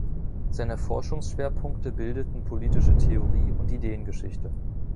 Seine Forschungsschwerpunkte bildeten politische Theorie und Ideengeschichte.